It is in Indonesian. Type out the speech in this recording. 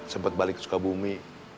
sempet balik ke sukabumi